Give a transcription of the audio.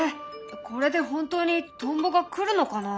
これで本当にトンボが来るのかな？